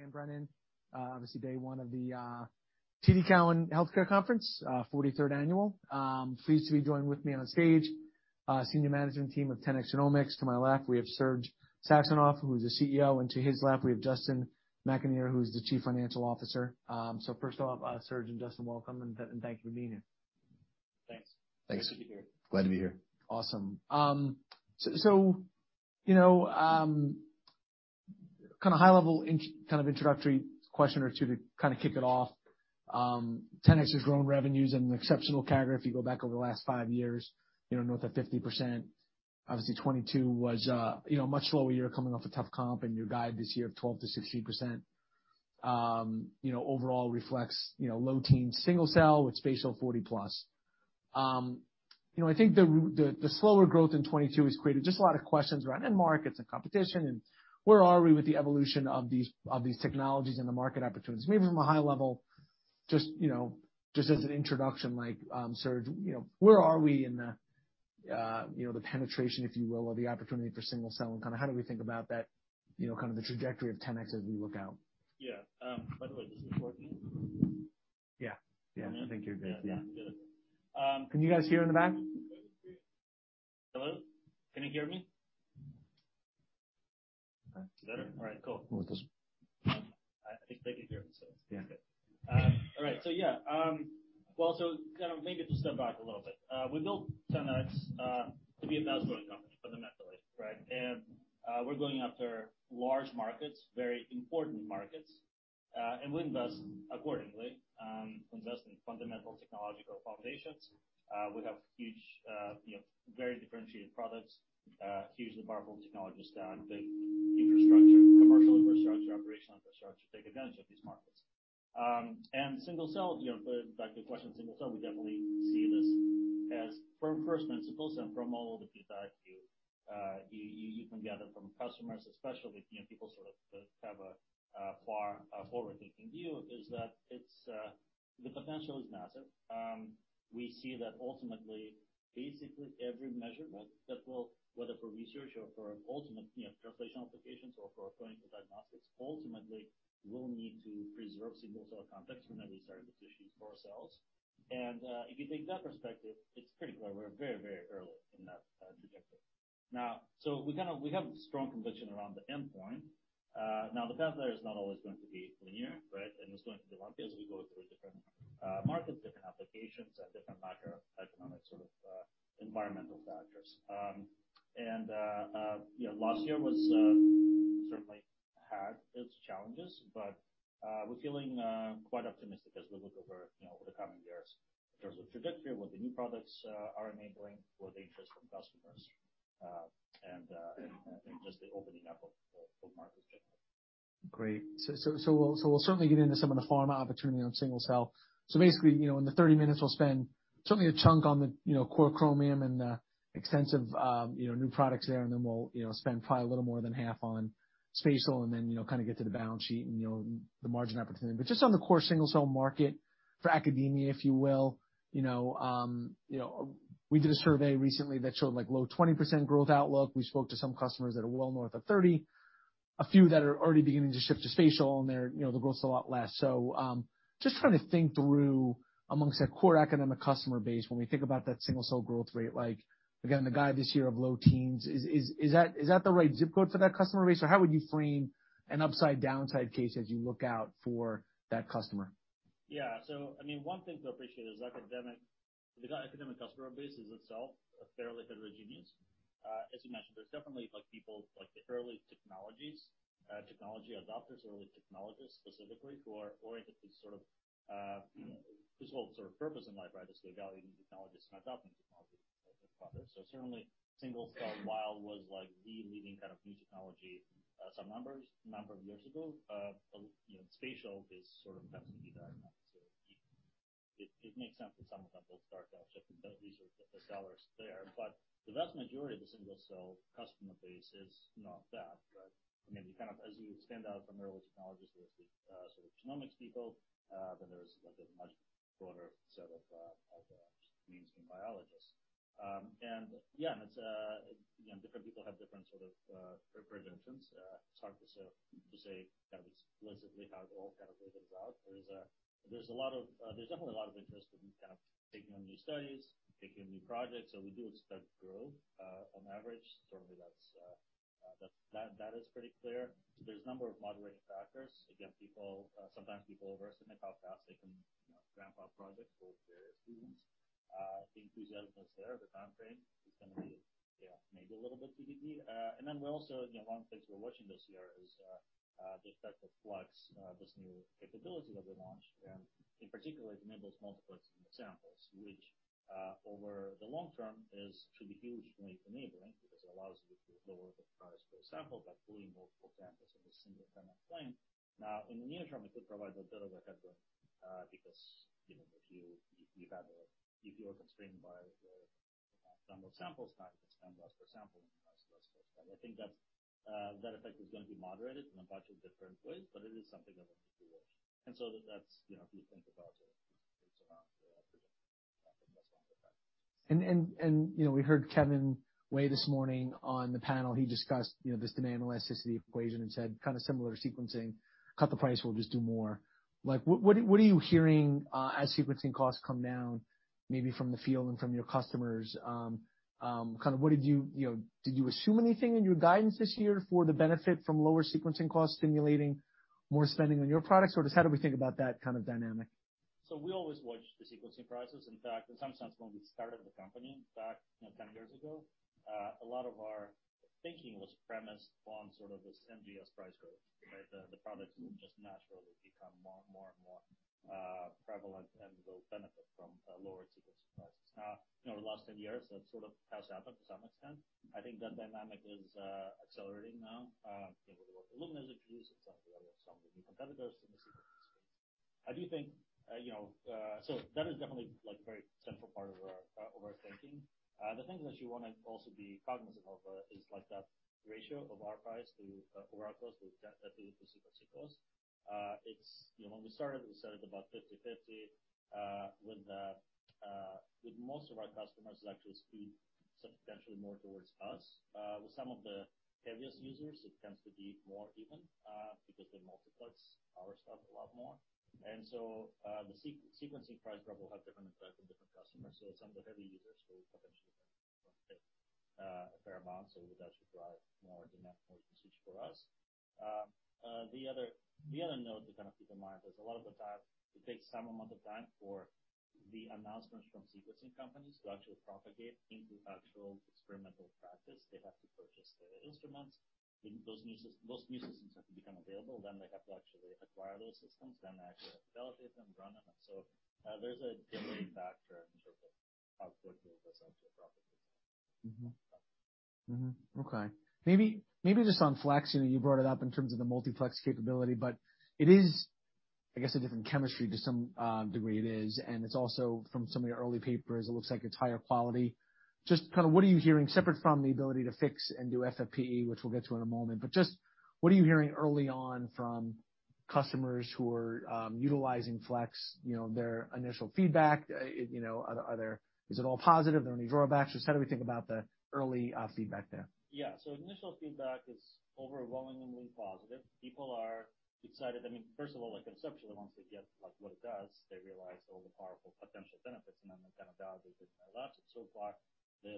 Dan Brennan. Obviously day one of the TD Cowen Healthcare Conference, 43rd annual. Pleased to be joined with me on stage, senior management team of 10x Genomics. To my left we have Serge Saxonov who's the CEO, and to his left we have Justin McAnear who's the Chief Financial Officer. First off, Serge and Justin, welcome and thank you for being here. Thanks. Good to be here. Glad to be here. Awesome. So, you know, kinda high level kind of introductory question or two to kinda kick it off? 10x has grown revenues at an exceptional CAGR if you go back over the last five years, you know, north of 50%. Obviously 2022 was, you know, a much lower year coming off a tough comp and your guide this year of 12%-16%, you know, overall reflects, you know, low teens single-cell with spatial 40-plus. You know, I think the slower growth in 2022 has created just a lot of questions around end markets and competition and where are we with the evolution of these, of these technologies and the market opportunities. Maybe from a high level, just, you know, just as an introduction, like, Serge, you know, where are we in the, you know, the penetration, if you will, or the opportunity for single-cell and kinda how do we think about that, you know, kind of the trajectory of 10X as we look out? Yeah. By the way, is this working? Yeah. Yeah. Yeah. I think you're good. Yeah. Good. Can you guys hear in the back? Hello? Can you hear me? Better? All right, cool. Use this one. I think they can hear me, so it's good. Yeah. All right. Yeah. Well, kind of maybe to step back a little bit. We built 10X to be a fast-growing company fundamentally, right? We're going after large markets, very important markets, and we invest accordingly, invest in fundamental technological foundations. We have huge, you know, very differentiated products, hugely powerful technologies that have big infrastructure, commercial infrastructure, operational infrastructure to take advantage of these markets. Single-cell, you know, back to your question, single-cell we definitely see this as from first principles and from all the feedback you can gather from customers especially, you know, people sort of have a far forward-looking view is that it's the potential is massive. We see that ultimately basically every measurement that will, whether for research or for ultimate, you know, translation applications or for clinical diagnostics, ultimately will need to preserve single-cell context when they start to issue more cells. If you take that perspective, it's pretty clear we're very, very early in that trajectory. We have strong conviction around the endpoint. Now the path there is not always going to be linear, right? It's going to be lumpy as we go through different markets, different applications and different macroeconomic sort of environmental factors. You know, last year was certainly had its challenges, but we're feeling quite optimistic as we look over, you know, over the coming years in terms of trajectory, what the new products are enabling for the interest from customers. Just the opening up of markets generally. Great. We'll certainly get into some of the pharma opportunity on single-cell. Basically, you know, in the 30 minutes we'll spend certainly a chunk on the, you know, core Chromium and extensive, you know, new products there, and then we'll, you know, spend probably a little more than half on spatial and then, you know, kind of get to the balance sheet and, you know, the margin opportunity. Just on the core single-cell market for academia, if you will. You know, you know, we did a survey recently that showed like low 20% growth outlook. We spoke to some customers that are well north of 30, a few that are already beginning to shift to spatial and they're, you know, the growth is a lot less. Just trying to think through amongst that core academic customer base, when we think about that single-cell growth rate, like again, the guide this year of low teens. Is that the right zip code for that customer base, or how would you frame an upside downside case as you look out for that customer? Yeah. I mean, one thing to appreciate is academic, the academic customer base is itself a fairly heterogeneous. As you mentioned, there's definitely like people like the early technologies, technology adopters, early technologists specifically who are oriented to sort of, you know, this whole sort of purpose in life, right? Is evaluating technologies and adopting technology as a product. Certainly single-cell, while was like the leading kind of new technology, number of years ago, you know, spatial is sort of passing it right now. It makes sense that some of them will start shifting the research, the scholars there. The vast majority of the single-cell customer base is not that, right? I mean, you kind of as you expand out from early technologists, there's the sort of genomics people, then there's like a much broader set of mainstream biologists. Yeah, and it's, you know, different people have different sort of predictions. It's hard to sort of to say kind of explicitly how it all kind of plays out. There's a lot of, there's definitely a lot of interest in kind of taking on new studies, taking on new projects. We do expect growth on average. Certainly that is pretty clear. There's a number of moderating factors. Again, people sometimes overestimate how fast they can, you know, ramp up projects or their students. The enthusiasm is there, the timeframe is gonna be, yeah, maybe a little bit TBD. We also, you know, one of the things we're watching this year is the effect of Flex, this new capability that we launched, and in particular, it enables multiplexing the samples, which over the long term is to be hugely enabling because it allows you to lower the price per sample by pooling multiple samples in a single panel plane. In the near term, it could provide a bit of a headwind because, you know, if you are constrained by the number of samples, now you can spend less per sample and process less samples. I think that effect is gonna be moderated in a bunch of different ways, but it is something that we need to watch. That's, you know, if you think about it's around You know, we heard Kevin this morning on the panel, he discussed, you know, this demand elasticity equation and said kind of similar sequencing, cut the price, we'll just do more. What are you hearing as sequencing costs come down, maybe from the field and from your customers? You know, did you assume anything in your guidance this year for the benefit from lower sequencing costs stimulating more spending on your products? Or just how do we think about that kind of dynamic? We always watch the sequencing prices. In fact, in some sense, when we started the company back, you know, 10 years ago, a lot of our thinking was premised on sort of this NGS price growth, right? The, the products will just naturally become more and more and more prevalent, and we'll benefit from lower sequencing prices. Now, you know, the last 10 years, that sort of has happened to some extent. I think that dynamic is accelerating now, you know, with Illumina introduced and some of the, some of the new competitors in the sequencing space. I do think, you know, so that is definitely like a very central part of our of our thinking. The thing that you wanna also be cognizant of, is like that ratio of our price to, or our cost to sequencing cost. It's, you know, when we started, we started about 50/50, with most of our customers actually skewed substantially more towards us. With some of the heaviest users, it tends to be more even, because they multiplex our stuff a lot more. The sequencing price drop will have different effect on different customers. Some of the heavy users will potentially benefit, a fair amount, so that should drive more demand, more usage for us. The other note to kind of keep in mind is a lot of the times it takes some amount of time for the announcements from sequencing companies to actually propagate into actual experimental practice. They have to purchase the instruments. Those new systems have to become available, then they have to actually acquire those systems, then they actually have to validate them, run them. There's a delayed factor in terms of how quickly this actually propagates. Mm-hmm. Mm-hmm. Okay. Maybe just on Flex, you know, you brought it up in terms of the multiplex capability, but it is, I guess, a different chemistry to some degree it is. It's also from some of your early papers, it looks like it's higher quality. Just kind of what are you hearing separate from the ability to fix and do FFPE, which we'll get to in a moment. Just what are you hearing early on from customers who are utilizing Flex, you know, their initial feedback? Is it all positive? Are there any drawbacks? Just how do we think about the early feedback there? Yeah. Initial feedback is overwhelmingly positive. People are excited. I mean, first of all, like conceptually, once they get like what it does, they realize all the powerful potential benefits, then they kind of dive a bit more into that. So far, the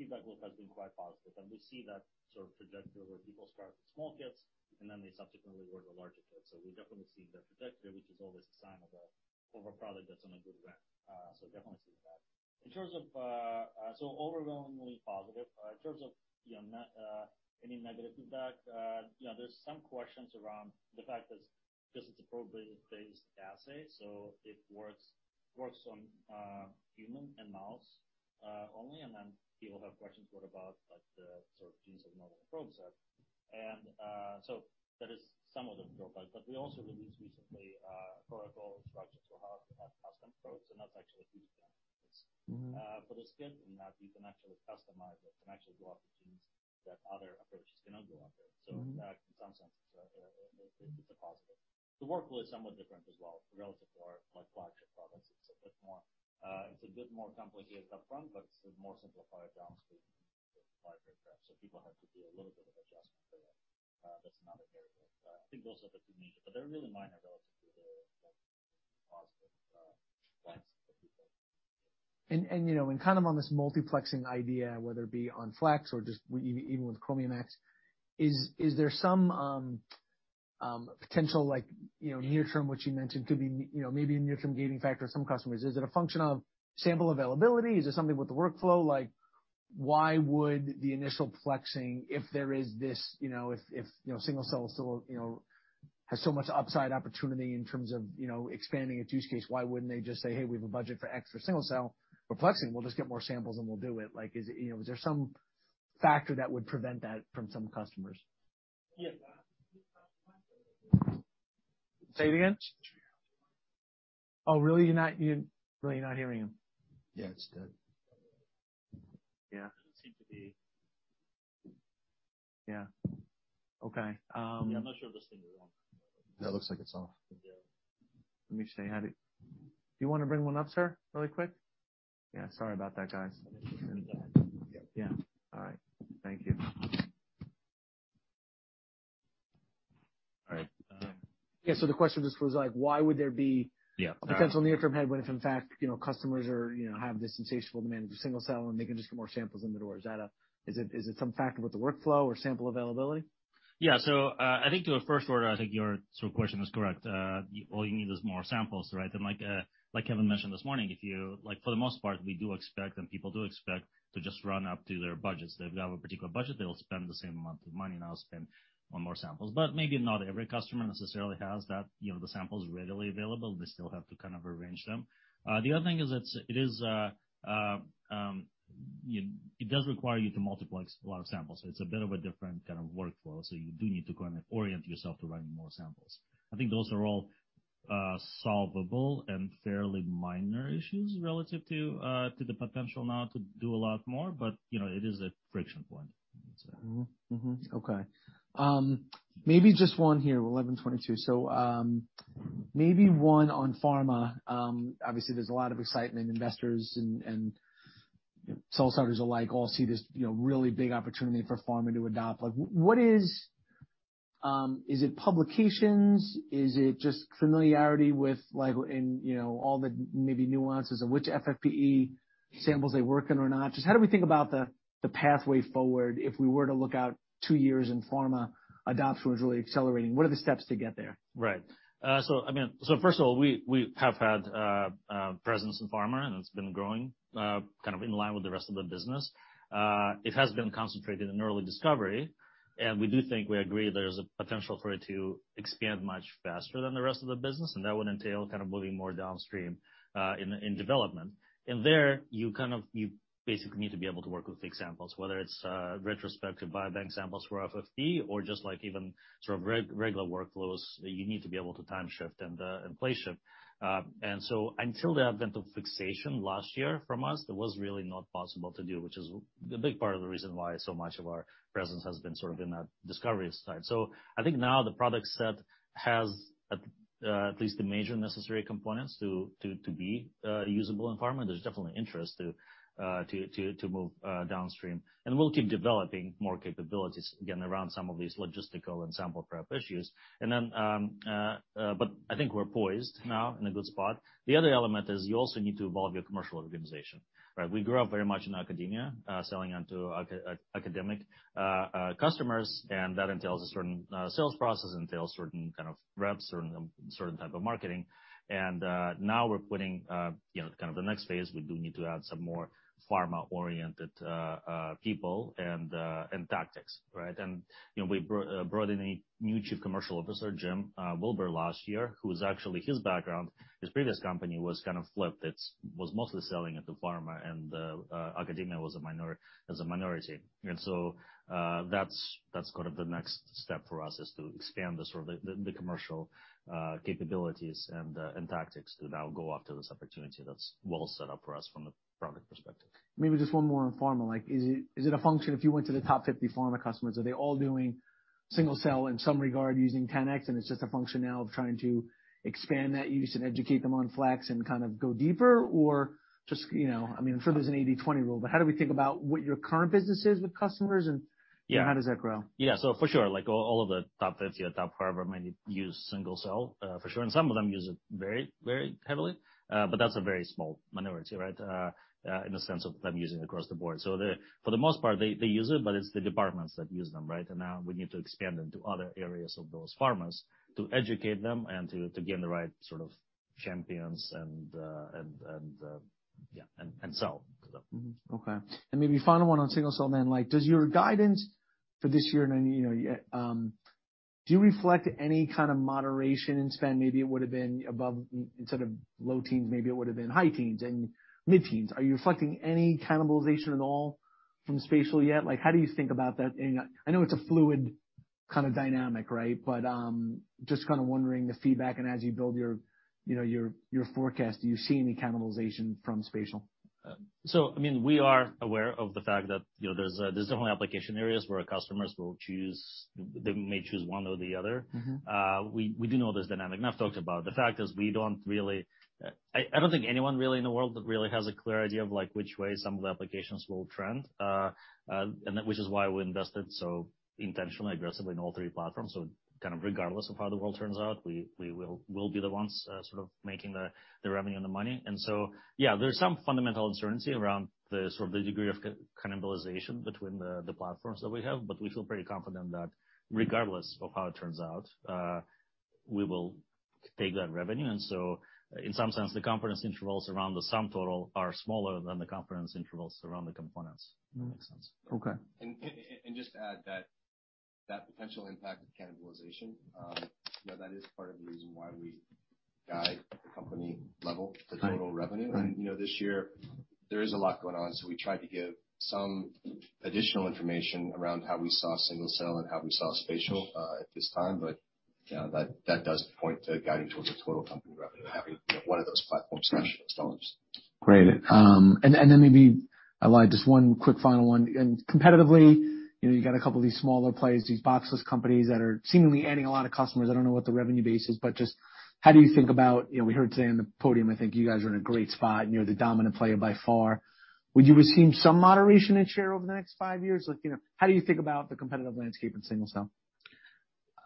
feedback loop has been quite positive. We see that sort of trajectory where people start with small kits, then they subsequently order larger kits. We definitely see that trajectory, which is always a sign of a product that's on a good run. Definitely see that. In terms of, overwhelmingly positive. In terms of, you know, any negative feedback, you know, there's some questions around the fact that this is a probe-based assay, so it works on human and mouse only. People have questions what about like the sort of genes of normal probe set. That is some of the drawbacks. We also released recently protocol instructions for how to have custom probes, and that's actually a huge benefit. For the Xenium, you know, you can actually customize it. You can actually go after genes that other approaches cannot go after. In fact, in some sense, it's a positive. The workflow is somewhat different as well relative to our, like, flagship products. It's a bit more, it's a bit more complicated upfront, but it's more simplified downstream with library preparation. People have to do a little bit of adjustment for that. That's another variable. I think those are the two major, but they're really minor relatively to the positive effects for people. You know, and kind of on this multiplexing idea, whether it be on Flex or just even with Chromium X, is there some potential like, you know, near term, which you mentioned could be, you know, maybe a near-term gating factor for some customers? Is it a function of sample availability? Is it something with the workflow? Why would the initial Flexing, if there is this, you know, if, you know, single-cell still, you know, has so much upside opportunity in terms of, you know, expanding a use case, why wouldn't they just say, "Hey, we have a budget for X for single-cell. For Flexing, we'll just get more samples and we'll do it."? You know, is there some factor that would prevent that from some customers? Yeah. Say it again. Turn your microphone on. Oh, really? You're really not hearing him. Yeah, it's dead. Yeah. Doesn't seem to be. Yeah. Okay. Yeah, I'm not sure if this thing is on. Yeah, it looks like it's off. Yeah. Let me see. Do you wanna bring one up, sir, really quick? Yeah, sorry about that, guys. Yeah. Yeah. All right. Thank you. All right. Yeah. The question just was like, why would there be. Yeah. A potential near-term headwind if in fact, you know, customers are, you know, have this insatiable demand for single-cell, and they can just get more samples in the door. Is it some factor with the workflow or sample availability? Yeah. I think to the first order, I think your sort of question is correct. All you need is more samples, right? Like Kevin mentioned this morning, for the most part, we do expect and people do expect to just run up to their budgets. They've got a particular budget, they'll spend the same amount of money now, spend on more samples. Maybe not every customer necessarily has that, you know, the samples readily available. They still have to kind of arrange them. The other thing is it is, it does require you to multiplex a lot of samples. It's a bit of a different kind of workflow. You do need to kind of orient yourself to running more samples. I think those are all, solvable and fairly minor issues relative to the potential now to do a lot more. You know, it is a friction point. Mm-hmm. Mm-hmm. Okay. Maybe just one here. 1122. Maybe one on pharma. Obviously there's a lot of excitement, investors and sales starters alike all see this, you know, really big opportunity for pharma to adopt. Like what is? It publications? Is it just familiarity with like, and, you know, all the maybe nuances of which FFPE samples they work in or not? Just how do we think about the pathway forward if we were to look out two years and pharma adoption was really accelerating? What are the steps to get there? Right. So first of all, we have had presence in pharma, and it's been growing kind of in line with the rest of the business. It has been concentrated in early discovery, and we do think we agree there's a potential for it to expand much faster than the rest of the business, and that would entail kind of moving more downstream in development. There, you kind of, you basically need to be able to work with the examples, whether it's retrospective biobank samples for FFPE or just like even sort of regular workflows, you need to be able to time shift and place shift. Until the advent of fixation last year from us, that was really not possible to do, which is a big part of the reason why so much of our presence has been sort of in that discovery side. I think now the product set has at least the major necessary components to be usable in pharma. There's definitely interest to move downstream, and we'll keep developing more capabilities again, around some of these logistical and sample prep issues. Then, but I think we're poised now in a good spot. The other element is you also need to evolve your commercial organization, right? We grew up very much in academia, selling onto academic customers, and that entails a certain sales process, entails certain kind of reps, certain type of marketing. Now we're putting, you know, kind of the next phase, we do need to add some more pharma-oriented people and tactics, right? You know, we brought in a new chief commercial officer, Jim Wilbur, last year, who's actually his background, his previous company was kind of flipped. It's was mostly selling into pharma, and academia was as a minority. That's kind of the next step for us, is to expand the sort of the commercial capabilities and tactics to now go after this opportunity that's well set up for us from a product perspective. Maybe just one more on pharma. Like, is it a function if you went to the top 50 pharma customers, are they all doing single-cell in some regard using 10x and it's just a function now of trying to expand that use and educate them on Flex and kind of go deeper? Just, you know, I mean, I'm sure there's an 80/20 rule, but how do we think about what your current business is with customers? Yeah. How does that grow? Yeah. For sure, like all of the top 50 or top however many use single cell, for sure, and some of them use it very, very heavily. That's a very small minority, right? In the sense of them using across the board. For the most part, they use it, but it's the departments that use them, right? Now we need to expand into other areas of those pharmas to educate them and to get the right sort of champions and, yeah, and sell to them. Mm-hmm. Okay. Maybe final one on single cell then. Like, does your guidance for this year and any, you know, do you reflect any kind of moderation in spend? Maybe it would've been above instead of low teens, maybe it would've been high teens and mid-teens. Are you reflecting any cannibalization at all from spatial yet? Like, how do you think about that? I know it's a fluid kind of dynamic, right? Just kind of wondering the feedback and as you build your, you know, your forecast, do you see any cannibalization from spatial? I mean, we are aware of the fact that, you know, there's definitely application areas. They may choose one or the other. Mm-hmm. We do know there's dynamic, and I've talked about. The fact is we don't really, I don't think anyone really in the world really has a clear idea of like which way some of the applications will trend. That which is why we invested so intentionally, aggressively in all three platforms. Kind of regardless of how the world turns out, we will be the ones sort of making the revenue and the money. Yeah, there's some fundamental uncertainty around the sort of the degree of cannibalization between the platforms that we have, but we feel pretty confident that regardless of how it turns out, we will take that revenue. In some sense, the confidence intervals around the sum total are smaller than the confidence intervals around the components. Mm-hmm. If that makes sense. Okay. Just to add that potential impact of cannibalization, you know, that is part of the reason why we guide the company level. Right. The total revenue. Right. You know, this year there is a lot going on, so we try to give some additional information around how we saw single-cell and how we saw spatial at this time. You know, that does point to guiding towards the total company revenue than having, you know, one of those platforms kind of stall. Great. Then maybe, I'll add just one quick final one. Competitively, you know, you got a couple of these smaller players, these boxless companies that are seemingly adding a lot of customers. I don't know what the revenue base is, but just how do you think about, you know, we heard today on the podium, I think you guys are in a great spot and you're the dominant player by far. Would you assume some moderation in share over the next five years? Like, you know, how do you think about the competitive landscape in single-cell?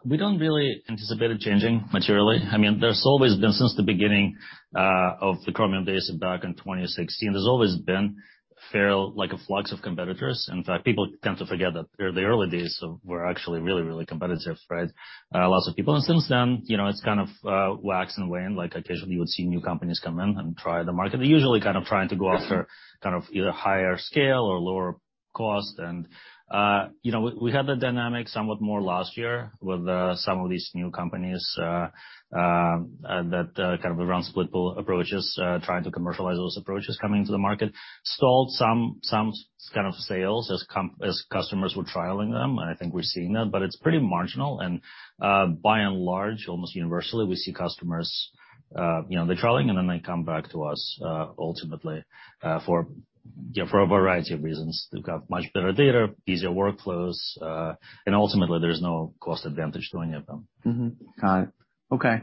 We don't really anticipate it changing materially. I mean, there's always been, since the beginning of the Chromium back in 2016, there's always been a flux of competitors. In fact, people tend to forget that the early days were actually really competitive, right? Lots of people. Since then, you know, it's kind of waxed and waned. Occasionally you would see new companies come in and try the market. They're usually kind of trying to go after kind of either higher scale or lower cost. You know, we had the dynamic somewhat more last year with some of these new companies that kind of around split-pool approaches, trying to commercialize those approaches coming into the market. Stalled some kind of sales as customers were trialing them, and I think we're seeing that, but it's pretty marginal. By and large, almost universally, we see customers, you know, they're trialing and then they come back to us ultimately for a variety of reasons. They've got much better data, easier workflows, and ultimately there's no cost advantage doing it though. Mm-hmm. Got it. Okay.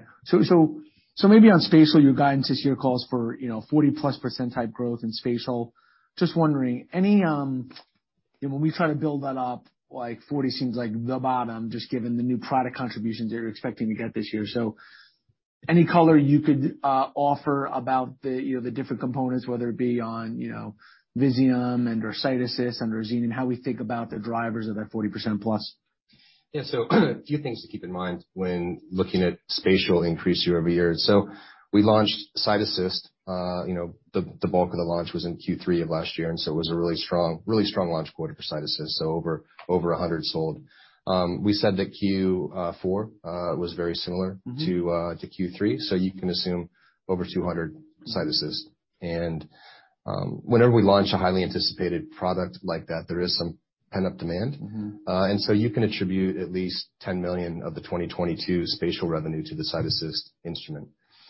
Maybe on spatial, your guidance this year calls for, you know, 40-plus percent type growth in spatial. Just wondering, any, you know, when we try to build that up, like 40 seems like the bottom, just given the new product contributions you're expecting to get this year. Any color you could offer about the, you know, the different components, whether it be on, you know, Visium and/or CytAssist and/or Xenium, how we think about the drivers of that 40% plus? Yeah. A few things to keep in mind when looking at spatial increase year-over-year. We launched CytAssist, you know, the bulk of the launch was in Q3 of last year, it was a really strong launch quarter for CytAssist, so over 100 sold. We said that Q4 was very similar to, to Q3, so you can assume over 200 CytAssist. Whenever we launch a highly anticipated product like that, there is some pent-up demand. Mm-hmm. You can attribute at least $10 million of the 2022 spatial revenue to the CytAssist instrument.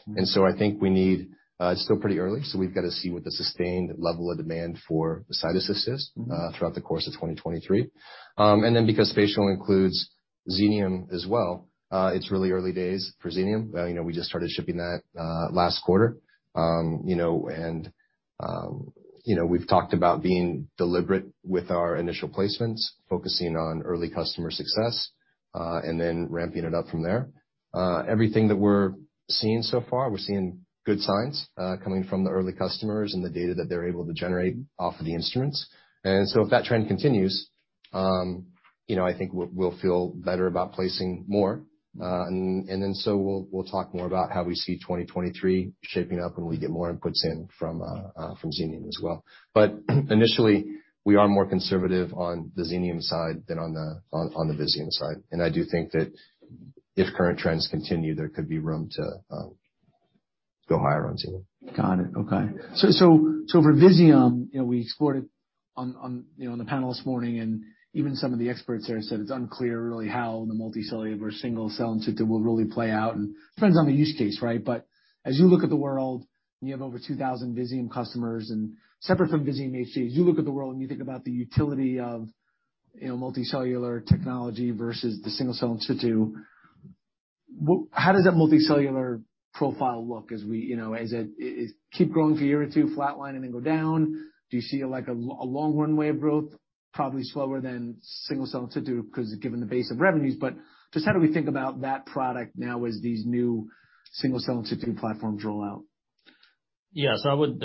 Mm-hmm. And so I think we need, it's still pretty early, so we've got to see what the sustained level of demand for the CytAssist is. Mm-hmm. Throughout the course of 2023. Then because spatial includes Xenium as well, it's really early days for Xenium. You know, we just started shipping that last quarter. You know, and you know, we've talked about being deliberate with our initial placements, focusing on early customer success, and then ramping it up from there. Everything that we're seeing so far, we're seeing good signs coming from the early customers and the data that they're able to generate off of the instruments. If that trend continues, you know, I think we'll feel better about placing more. Then we'll talk more about how we see 2023 shaping up when we get more inputs in from Xenium as well. Initially, we are more conservative on the Xenium side than on the Visium side. I do think that if current trends continue, there could be room to go higher on Xenium. Got it. Okay. For Visium, you know, we explored it on, you know, on the panel this morning, and even some of the experts there said it's unclear really how the multicellular or single-cell in situ will really play out. It depends on the use case, right? As you look at the world, and you have over 2,000 Visium customers, and separate from Visium HD, as you look at the world and you think about the utility of, you know, multicellular technology versus the single-cell in situ, how does that multicellular profile look as we, you know, as it keep growing for a year or two, flatline, and then go down? Do you see like a long runway of growth, probably slower than single-cell in situ 'cause given the base of revenues? Just how do we think about that product now as these new single-cell in situ platforms roll out? Yeah. I would,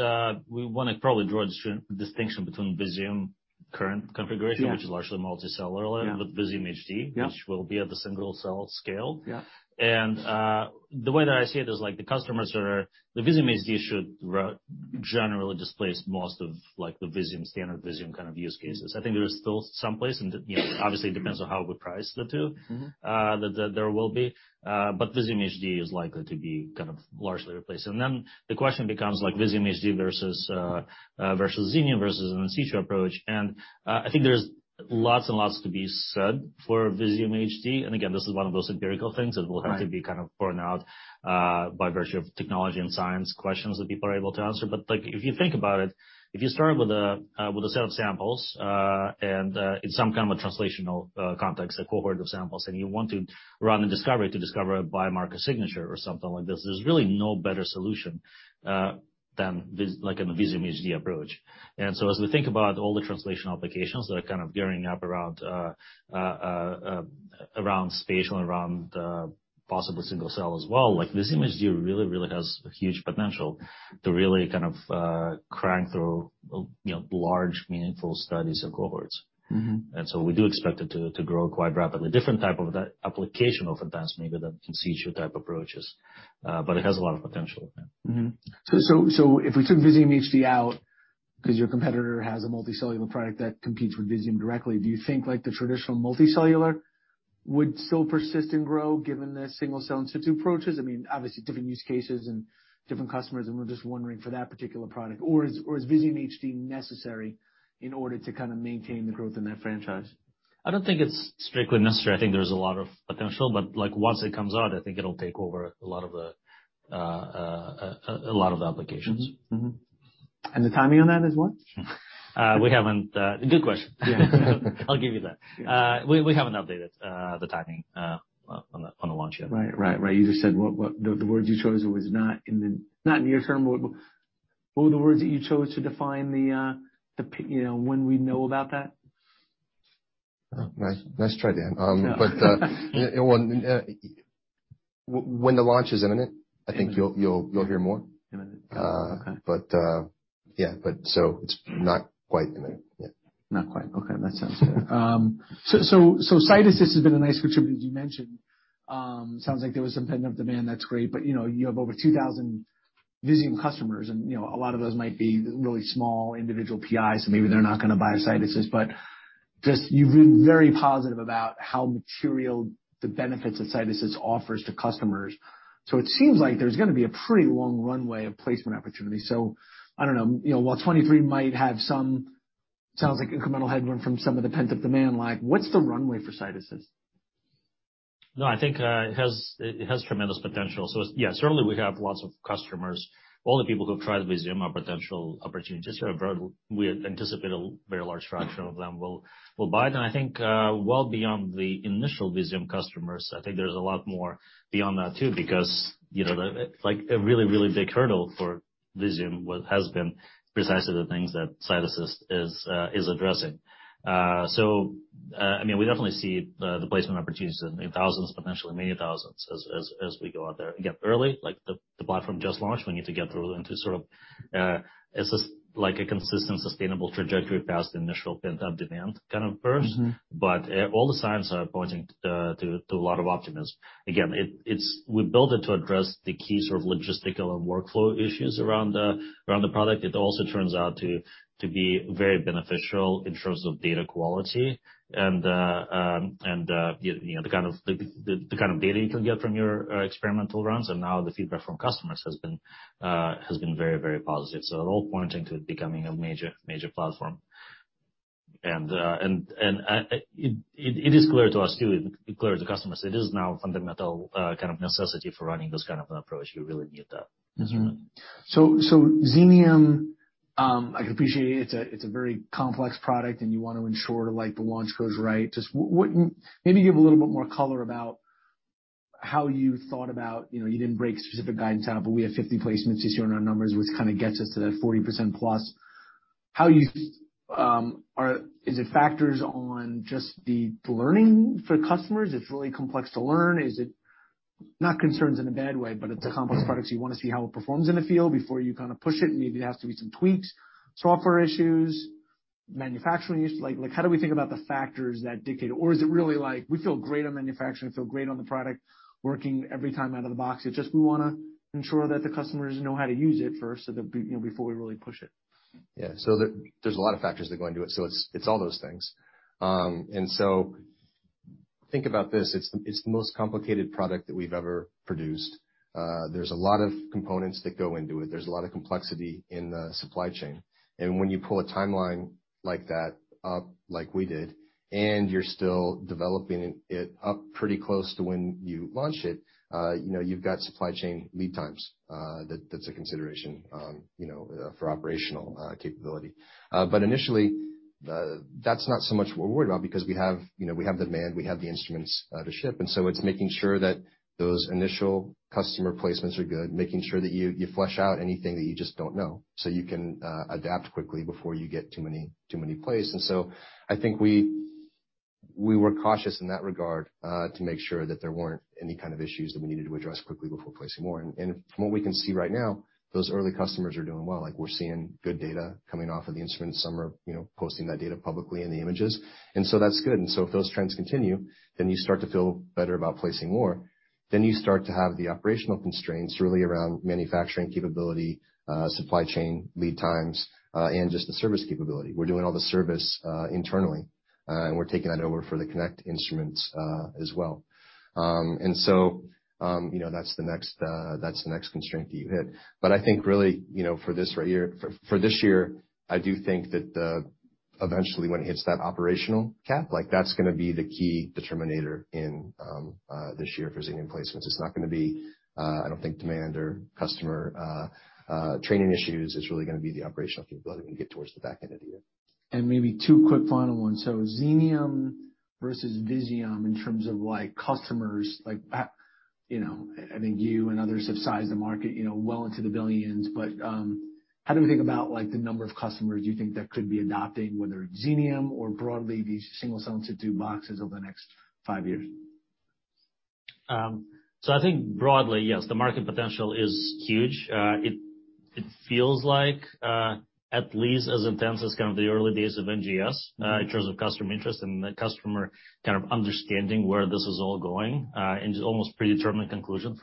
we wanna probably draw a distinction between Visium current configuration... Yeah. Which is largely multicellular Yeah. Visium HD Yeah. Which will be at the single-cell scale. Yeah. The way that I see it is like the customers are, the Visium HD should generally displace most of like the Visium, standard Visium kind of use cases. I think there is still some place, and, you know, obviously it depends on how we price the two. Mm-hmm. There will be, but Visium HD is likely to be kind of largely replaced. Then the question becomes like Visium HD versus Xenium versus an in situ approach. I think there's lots and lots to be said for Visium HD. Again, this is one of those empirical things to be kind of borne out by virtue of technology and science questions that people are able to answer. Like, if you think about it, if you start with a, with a set of samples, and in some kind of a translational context, a cohort of samples, and you want to run a discovery to discover a biomarker signature or something like this, there's really no better solution than Visium HD approach. As we think about all the translational applications that are kind of gearing up around spatial and around possible single cell as well, like Visium HD really has a huge potential to really kind of crank through, you know, large meaningful studies and cohorts. Mm-hmm. We do expect it to grow quite rapidly. Different type of a application of advanced maybe than in situ type approaches, but it has a lot of potential, yeah. Mm-hmm. If we took Visium HD out 'cause your competitor has a multicellular product that competes with Visium directly, do you think like the traditional multicellular would still persist and grow given the single-cell in situ approaches? I mean, obviously different use cases and different customers, and we're just wondering for that particular product. Is Visium HD necessary in order to kind of maintain the growth in that franchise? I don't think it's strictly necessary. I think there's a lot of potential, but, like, once it comes out, I think it'll take over a lot of the applications. Mm-hmm. The timing on that is what? We haven't. Good question. Yeah. I'll give you that. We, we haven't updated the timing on the, on the launch yet. Right. Right. Right. You just said what. The words you chose was not near term. What were the words that you chose to define the you know, when we know about that? Oh, nice try, Dan. When the launch is imminent. Imminent. I think you'll hear more. Imminent. Okay. Yeah, but so it's not quite imminent yet. Not quite. Okay. That sounds good. So CytAssist has been a nice contributor, as you mentioned. Sounds like there was some pent-up demand, that's great. You know, you have over 2,000 Visium customers and, you know, a lot of those might be really small individual PIs, so maybe they're not gonna buy a CytAssist. Just you've been very positive about how material the benefits that CytAssist offers to customers. It seems like there's gonna be a pretty long runway of placement opportunities. I don't know, you know, while 2023 might have some, sounds like incremental headwind from some of the pent-up demand, like what's the runway for CytAssist? I think it has tremendous potential. Yeah, certainly we have lots of customers. All the people who've tried Visium are potential opportunities. Sort of, we anticipate a very large fraction of them will buy it. I think, well beyond the initial Visium customers, I think there's a lot more beyond that too, because, you know, it's like a really, really big hurdle for Visium has been precisely the things that CytAssist is addressing. I mean, we definitely see the placement opportunities in thousands, potentially many thousands as we go out there. Again, early, like the platform just launched, we need to get through into sort of, as a, like a consistent sustainable trajectory past the initial pent-up demand kind of first. Mm-hmm. All the signs are pointing to a lot of optimism. Again, we built it to address the key sort of logistical and workflow issues around the product. It also turns out to be very beneficial in terms of data quality and, you know, the kind of data you can get from your experimental runs, and now the feedback from customers has been very positive. They're all pointing to it becoming a major platform. It is clear to us, clearly clear to the customers, it is now a fundamental kind of necessity for running this kind of an approach. You really need that instrument. So Xenium, I can appreciate it's a very complex product, and you want to ensure, like, the launch goes right. Just maybe give a little bit more color about how you thought about, you know, you didn't break specific guidance out, but we have 50 placements this year in our numbers, which kind of gets us to that +40%. Is it factors on just the learning for customers? It's really complex to learn. Is it, not concerns in a bad way, but it's a complex product, so you wanna see how it performs in the field before you kind of push it, and maybe it has to be some tweaks, software issues, manufacturing issues. Like, how do we think about the factors that dictate? Is it really like, we feel great on manufacturing, feel great on the product working every time out of the box, it's just we wanna ensure that the customers know how to use it first so that, you know, before we really push it? There's a lot of factors that go into it, so it's all those things. Think about this, it's the most complicated product that we've ever produced. There's a lot of components that go into it. There's a lot of complexity in the supply chain. When you pull a timeline like that up, like we did, and you're still developing it up pretty close to when you launch it, you know, you've got supply chain lead times, that's a consideration, you know, for operational capability. Initially, that's not so much what we're worried about because we have, you know, we have demand, we have the instruments to ship. It's making sure that those initial customer placements are good, making sure that you flush out anything that you just don't know, so you can adapt quickly before you get too many placed. I think we were cautious in that regard to make sure that there weren't any kind of issues that we needed to address quickly before placing more. From what we can see right now, those early customers are doing well. Like, we're seeing good data coming off of the instruments. Some are, you know, posting that data publicly in the images. That's good. If those trends continue, then you start to feel better about placing more. You start to have the operational constraints really around manufacturing capability, supply chain lead times, and just the service capability. We're doing all the service internally, and we're taking that over for the Connect instruments as well. You know, that's the next constraint that you hit. I think really, you know, for this right here, for this year, I do think that eventually when it hits that operational cap, like that's gonna be the key determinator in this year for Xenium placements. It's not gonna be I don't think demand or customer training issues. It's really gonna be the operational capability when we get towards the back end of the year. Maybe two quick final ones. Xenium versus Visium in terms of, like, customers, like, you know, I think you and others have sized the market, you know, well into the billions. How do we think about, like, the number of customers you think that could be adopting, whether Xenium or broadly these single-cell in situ boxes over the next five years? I think broadly, yes, the market potential is huge. It feels like, at least as intense as kind of the early days of NGS, in terms of customer interest and the customer kind of understanding where this is all going, and just almost predetermined conclusion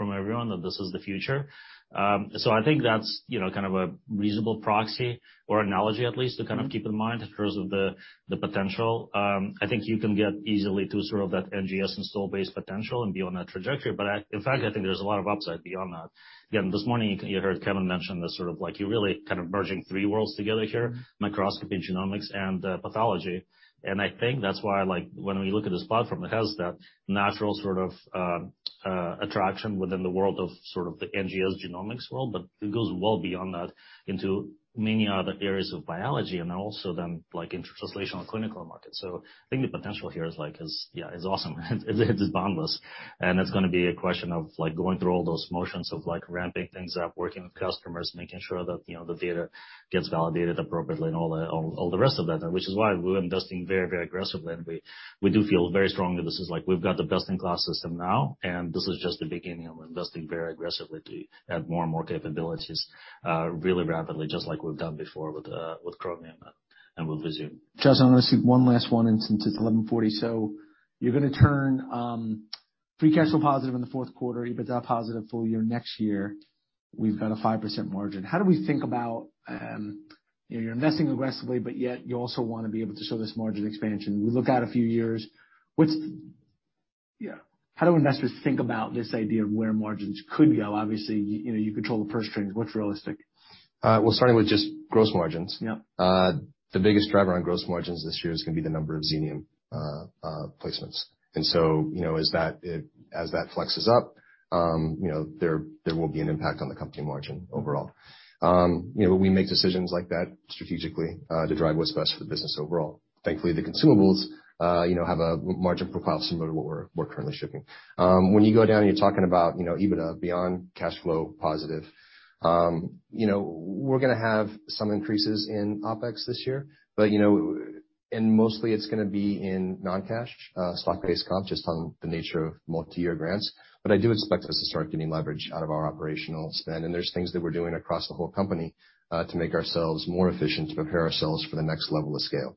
from everyone that this is the future. I think that's, you know, kind of a reasonable proxy or analogy at least to kind of keep in mind in terms of the potential. I think you can get easily to sort of that NGS install base potential and be on that trajectory. In fact, I think there's a lot of upside beyond that. Again, this morning you heard Kevin mention this sort of like you're really kind of merging three worlds together here, microscopy, genomics, and pathology. I think that's why, like, when we look at this platform, it has that natural sort of attraction within the world of sort of the NGS genomics world, but it goes well beyond that into many other areas of biology and also then, like, in translational clinical markets. I think the potential here is, like, is, yeah, is awesome. It's boundless. It's gonna be a question of, like, going through all those motions of, like, ramping things up, working with customers, making sure that, you know, the data gets validated appropriately and all the rest of that. Which is why we're investing very aggressively, and we do feel very strongly this is like we've got the best-in-class system now, and this is just the beginning of investing very aggressively to add more and more capabilities, really rapidly, just like we've done before with Chromium and with Visium. Charles, I'm gonna ask you one last one since it's 11:40. You're gonna turn free cash flow positive in the 4th quarter, EBITDA positive full year next year. We've got a 5% margin. How do we think about, you know, you're investing aggressively, but yet you also wanna be able to show this margin expansion. We look out a few years. Yeah. How do investors think about this idea of where margins could go? Obviously, you know, you control the purse strings. What's realistic? Well, starting with just gross margins. Yeah. The biggest driver on gross margins this year is gonna be the number of Xenium placements. You know, as that flexes up, you know, there will be an impact on the company margin overall. You know, we make decisions like that strategically to drive what's best for the business overall. Thankfully, the consumables, you know, have a margin profile similar to what we're currently shipping. When you go down, you're talking about, you know, EBITDA beyond cash flow positive. You know, we're gonna have some increases in OpEx this year, mostly it's gonna be in non-cash stock-based compensation, just on the nature of multi-year grants. I do expect us to start getting leverage out of our operational spend, and there's things that we're doing across the whole company, to make ourselves more efficient, to prepare ourselves for the next level of scale.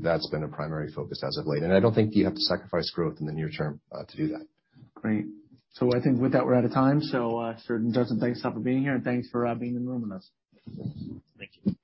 That's been a primary focus as of late. I don't think you have to sacrifice growth in the near term, to do that. Great. I think with that, we're out of time. Serge and Justin, thanks a lot for being here, and thanks for being in the room with us. Thank you.